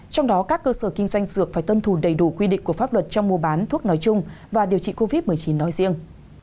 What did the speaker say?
trong đó các cơ sở kinh doanh dược phải tuân thủ đầy đủ quy định của pháp luật trong mua bán thuốc nói chung và điều trị covid một mươi chín nói riêng